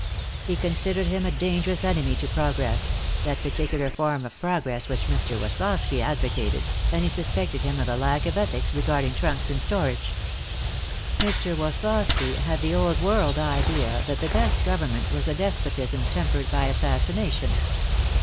He considered him a dangerous enemy to progress, that particular form of progress which Mr. Woslosky advocated, and he suspected him of a lack of ethics regarding trunks in storage. Mr. Woslosky had the old world idea that the best government was a despotism tempered by assassination.